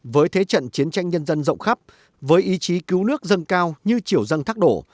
với thế trận chiến tranh nhân dân rộng khắp với ý chí cứu nước dâng cao như chiều dâng thác đổ